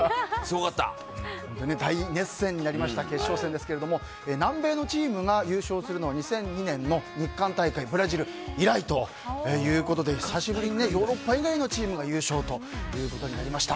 大熱戦になりました決勝戦ですけれども南米のチームが優勝するのは２００２年の日韓大会のブラジル以来ということでヨーロッパ以外のチームが優勝ということになりました。